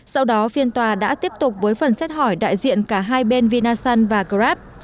sau đó phiên tòa đã tiếp tục với phần xét hỏi đại diện cả hai bên vinasun và grab